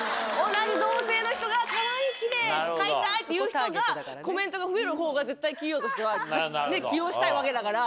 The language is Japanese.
同じ同性の人が。っていう人がコメントが増えるほうが絶対企業としては起用したいわけだから。